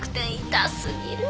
痛過ぎる。